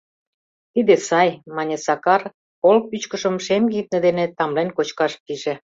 Тиде сай, — мане Сакар, кол пӱчкышым шем кинде дене тамлен кочкаш пиже.